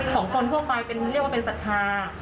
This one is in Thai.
ของคนพวกมายเรียกว่าเป็นศรัทธา